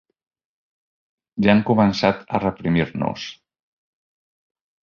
Ja han començat a reprimir-nos.